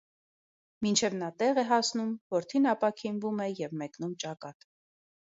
Մինչև նա տեղ է հասում, որդին ապաքինվում է և մեկնում ճակատ։